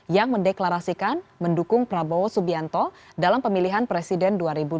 yang mendeklarasikan mendukung prabowo subianto dalam pemilihan presiden dua ribu dua puluh